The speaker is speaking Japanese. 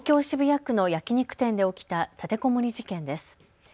渋谷区の焼き肉店で起きた立てこもり事件です。